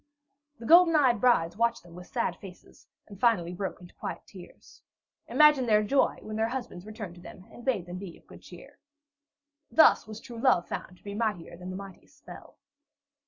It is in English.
The golden eyed brides watched them with sad faces, and finally broke into quiet tears. Imagine their joy, when their husbands returned to them and bade them be of good cheer. Thus was true love found to be mightier than the mightiest spell.